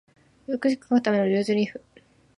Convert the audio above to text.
美しく書くためのルーズリーフ